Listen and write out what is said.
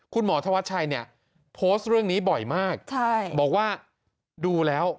คุณหมอธวัชชัยเนี่ยโพสต์เรื่องนี้บ่อยมากบอกว่าดูแล้ว